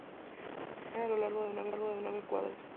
Se extiende a lo largo de nueve cuadras.